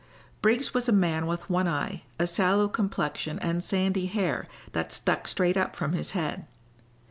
Briggs was a man with one eye, a sallow complexion and sandy hair that stuck straight up from his head.